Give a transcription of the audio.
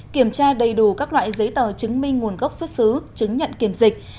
kiểm tra đầy đủ các loại giấy tờ chứng minh nguồn gốc xuất xứ chứng nhận kiểm dịch